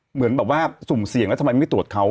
เหมือนแบบว่าสุ่มเสี่ยงแล้วทำไมไม่ตรวจเขา